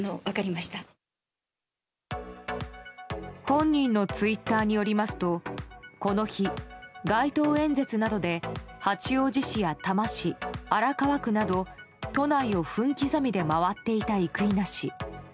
本人のツイッターによりますとこの日、街頭演説などで八王子市や多摩市、荒川区など都内を分刻みで回っていた生稲氏。